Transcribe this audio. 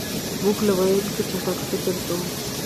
مونږ له ویونکي چټک فکر کوو.